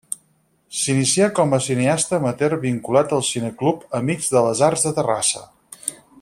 S'inicià com a cineasta amateur vinculat al Cineclub Amics de les Arts de Terrassa.